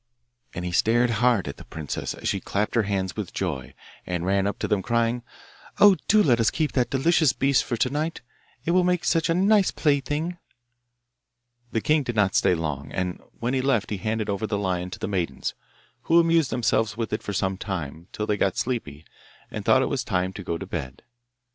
And he stared hard at the princess as she clapped her hands with joy and ran up to them, crying, ' Oh, do let us keep that delicious beast for to night; it will make such a nice plaything.' The king did not stay long, and when he left he handed over the lion to the maidens, who amused themselves with it for some time, till they got sleepy, and thought it was time to go to bed.